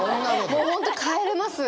もう本当帰れます。